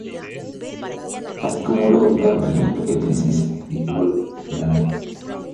Así como un logotipo de acompañamiento que utiliza el símbolo del engranaje.